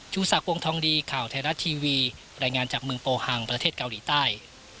สักวงทองดีข่าวไทยรัฐทีวีรายงานจากเมืองโปฮังประเทศเกาหลีใต้